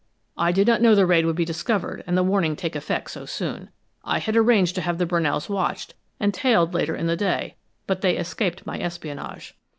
I did not know the raid would be discovered and the warning take effect so soon. I had arranged to have the Brunells watched and tailed later in the day, but they escaped my espionage.